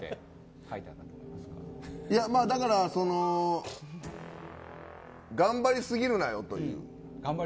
だからその頑張りすぎるなよという。